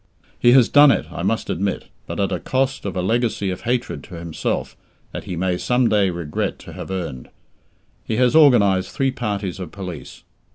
He has done it, I must admit; but at a cost of a legacy of hatred to himself that he may some day regret to have earned. He has organized three parties of police.